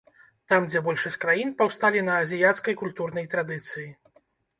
Там, дзе большасць краін паўсталі на азіяцкай культурнай традыцыі.